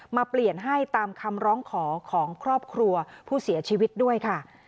เปลี่ยนให้ตามคำร้องขอของครอบครัวผู้เสียชีวิตด้วยค่ะ